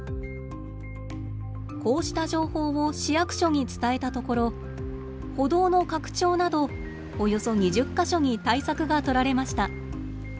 こうした情報を市役所に伝えたところ歩道の拡張などおよそ２０か所に対策がとられました。